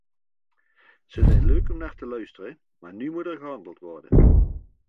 Ze zijn leuk om naar te luisteren, maar nu moet er gehandeld worden!